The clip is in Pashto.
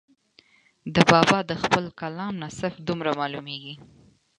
د بابا د خپل کلام نه صرف دومره معلوميږي